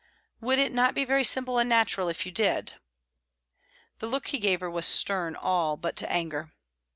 "Would it not be very simple and natural if you did?" The look he gave her was stern all but to anger.